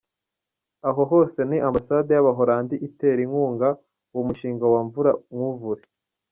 Aho hose ni ambasade y’Abahollandi itera inkunga uwo mushinga wa Mvura nkuvure.